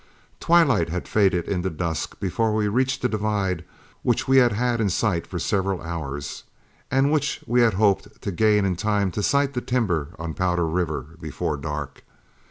Twilight had faded into dusk before we reached a divide which we had had in sight for several hours, and which we had hoped to gain in time to sight the timber on Powder River before dark.